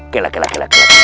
kelak kelak kelak